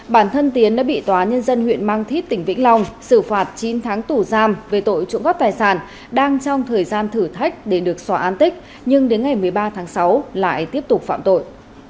bản thân tiến đã bị tòa nhân dân huyện mang thít tỉnh vĩnh long xử phạt chín tháng tù giam về tội trộm cắp tài sản đang trong thời gian thử thách để được xóa an tích nhưng đến ngày một mươi ba tháng sáu lại tiếp tục phạm tội